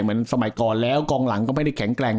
เหมือนสมัยก่อนแล้วกองหลังก็ไม่ได้แข็งแกร่ง